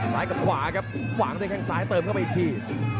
กับขวาครับวางด้วยแข้งซ้ายเติมเข้าไปอีกที